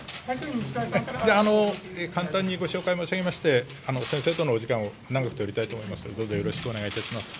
簡単にご紹介申し上げまして先生とのお時間を長くとりたいと思います。